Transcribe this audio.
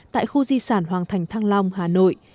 tại khu di sản hoàng thành thăng long hà nội